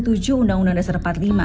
undang undang dasar empat puluh lima